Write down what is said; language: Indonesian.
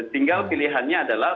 tinggal pilihannya adalah